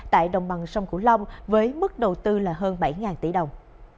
tại đồng bằng sông cửu long với mức đầu tư là hơn bảy tỷ đồng